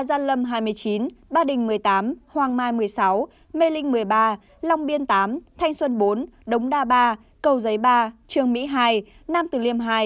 gia lâm hai mươi chín ba đình một mươi tám hoàng mai một mươi sáu mê linh một mươi ba long biên tám thanh xuân bốn đống đa ba cầu giấy ba trương mỹ hai nam tử liêm hai